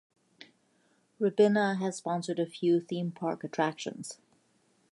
Ribena has sponsored a few theme park attractions.